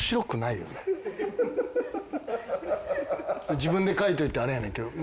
自分で書いといてあれやねんけど。